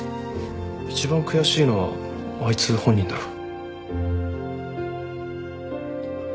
一番悔しいのはあいつ本人だろ。